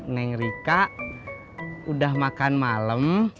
neng rika udah makan malam